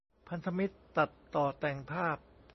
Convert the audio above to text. พันธมิตร ตัดต่อแต่งภาพ ?